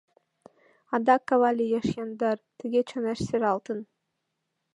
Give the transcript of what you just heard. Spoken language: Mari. Адак кава лиеш яндар, Тыге чонеш сералтын.